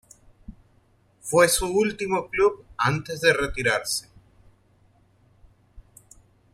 Fue su último club antes de retirarse.